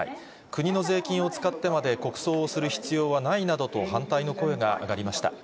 国の税金を使ってまで、国葬をする必要はないなどと反対の声が上がりました。